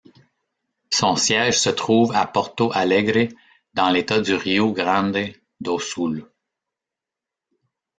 Son siège se trouve à Porto Alegre dans l'État du Rio Grande do Sul.